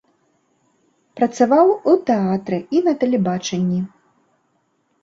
Працаваў у тэатры і на тэлебачанні.